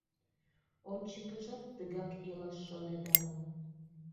— Ончыкыжат тыгак илаш шонеда мо?